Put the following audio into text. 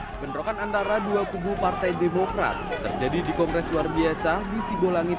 hai menerokan antara dua kubu partai demokrat terjadi di kongres luar biasa di sibolangit